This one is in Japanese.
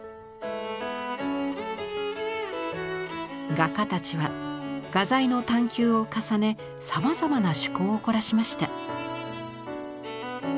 画家たちは画材の探求を重ねさまざまな趣向を凝らしました。